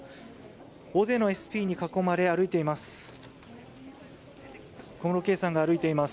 大勢のＳＰに囲まれ歩いています。